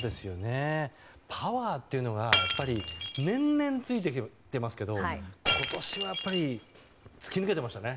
パワーというのが年々ついてきていますけど今年はやっぱり、突き抜けてましたね。